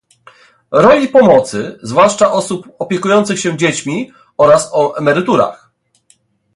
roli pomocy, zwłaszcza osób opiekujących się dziećmi, oraz o emeryturach